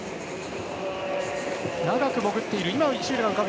長く潜っていた。